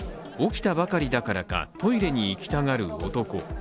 起きたばかりだからかトイレに行きたがる男。